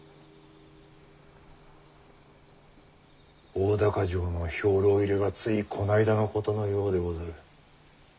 大高城の兵糧入れがついこないだのことのようでござる。